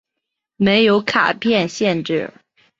没有卡片限制。